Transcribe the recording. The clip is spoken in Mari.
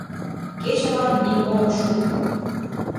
Кечылан нимо ок шу.